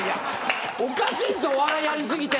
おかしいんですよお笑いやり過ぎて！